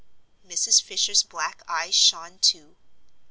Mrs. Fisher's black eyes shone, too.